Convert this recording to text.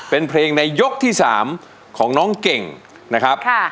เป็นเพลงในยกที่๓ของน้องเก่งนะครับ